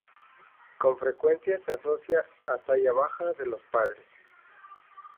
Con frecuencia se asocia a talla baja de los padres.